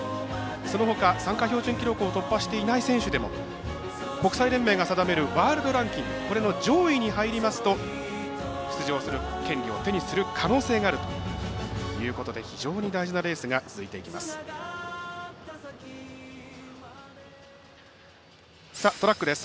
そのほか、参加標準記録を突破していない選手でも国際連盟が定めるワールドランキングの上位に入りますと出場する権利を手にする可能性があるということで非常に大事なレースが続いていきます。